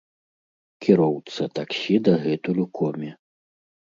Кіроўца таксі дагэтуль у коме.